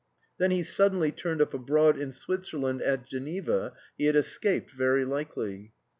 Then he suddenly turned up abroad in Switzerland at Geneva he had escaped, very likely.